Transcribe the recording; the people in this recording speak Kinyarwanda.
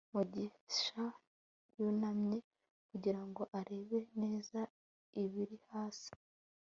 mugisha yunamye kugira ngo arebe neza ibiri hasi